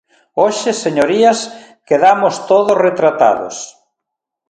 Hoxe, señorías, quedamos todos retratados.